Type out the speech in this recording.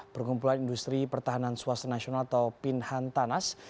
perkumpulan industri pertahanan swasta nasional atau pinhantanas